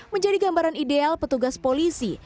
menjadi gambaran ideal petugas polisi